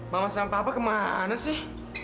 mama sampah apa kemana sih